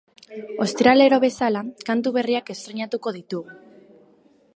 Ostiralero bezala, kantu berriak estreinatuko ditugu.